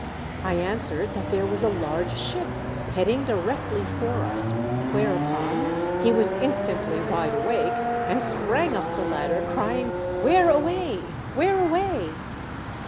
I answered that there was a large ship heading directly for us, whereupon he was instantly wide awake, and sprang up the ladder, crying, " Where away ? Where away